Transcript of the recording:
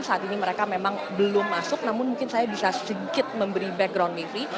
saat ini mereka memang belum masuk namun mungkin saya bisa sedikit memberi background mevri